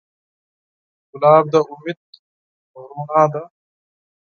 ګلاب د امید رڼا ده.